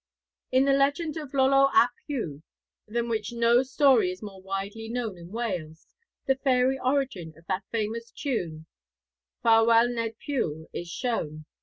Sc. 2. IV. In the legend of Iolo ap Hugh, than which no story is more widely known in Wales, the fairy origin of that famous tune 'Ffarwel Ned Pugh' is shown.